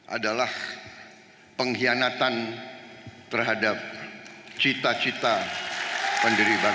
adalah pengkhianatan terhadap cita cita pendiri bangsa